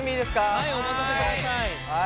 はいお任せください！